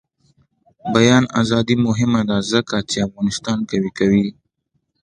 د بیان ازادي مهمه ده ځکه چې افغانستان قوي کوي.